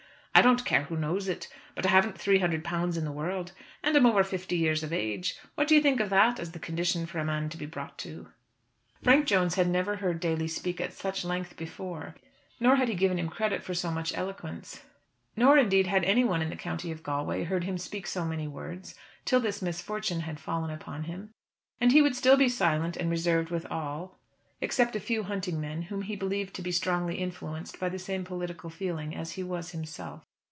I don't care who knows it, but I haven't three hundred pounds in the world. And I'm over fifty years of age. What do you think of that as the condition for a man to be brought to?" Frank Jones had never heard Daly speak at such length before, nor had he given him credit for so much eloquence. Nor, indeed, had anyone in the County of Galway heard him speak so many words till this misfortune had fallen upon him. And he would still be silent and reserved with all except a few hunting men whom he believed to be strongly influenced by the same political feeling as he was himself.